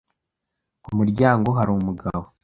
Ku muryango hari umugabo.